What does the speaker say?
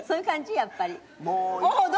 やっぱり。